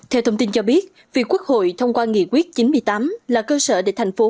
theo thông tin cho biết việc quốc hội thông qua nghị quyết chín mươi tám là cơ sở để thành phố